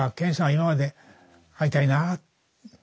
今まで「会いたいなあ」